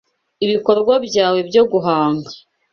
ibikorwa byawe byo guhanga